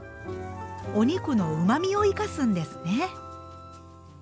お肉のうまみを生かすんですね。